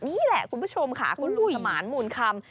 นี่แหละคุณผู้ชมค่ะคุณลุงสมานมูลคำ